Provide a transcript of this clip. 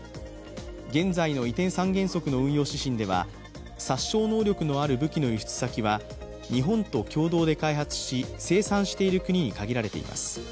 現在の移転三原則の運用指針では殺傷能力のある武器の輸出先は日本と共同で開発し生産している国に限られています。